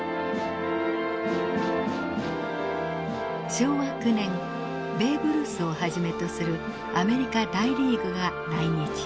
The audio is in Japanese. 昭和９年ベーブ・ルースをはじめとするアメリカ大リーグが来日。